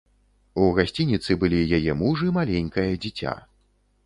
У гасцініцы былі яе муж і маленькае дзіця.